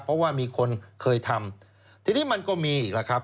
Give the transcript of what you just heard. เพราะว่ามีคนเคยทำทีนี้มันก็มีอีกแล้วครับ